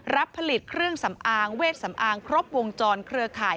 รับผลิตเครื่องสำอางเวทสำอางครบวงจรเครือข่าย